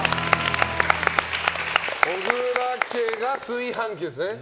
小倉家が炊飯器ですね。